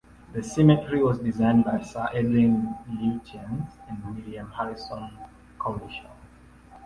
The cemetery was designed by Sir Edwin Lutyens and William Harrison Cowlishaw.